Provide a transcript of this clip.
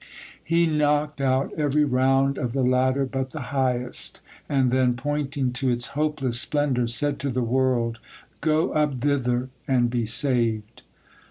He knocked out every round of the ladder but the highest, and then, pointing to its hopeless splendour, said to the world, 'Go up thither and be saved!